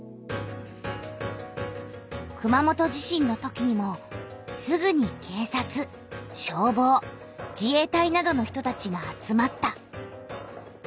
熊本地震のときにもすぐに警察消防自衛隊などの人たちが集まった。